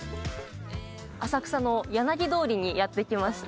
浅草の柳通りにやって来ました。